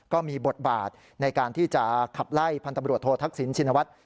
ก็มีบทบาทในการที่จะขับไล่พันธุ์ตำรวจโทษทักษิณชินวัฒน์